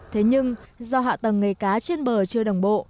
thế nhưng do hạ tầng nghề cá trên bờ chưa đồng bộ